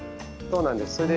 そうなんです。